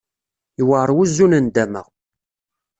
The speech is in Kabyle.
Yewɛer wuzu n nndama.